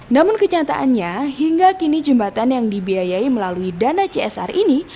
namun kenyataannya hingga kini jembatan yang dibiayai melalui dana csr ini